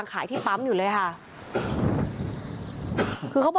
ขอบคุณครับ